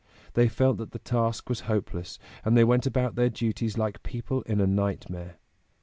They felt that the task was hopeless, and they went about their duties like people in a nightmare.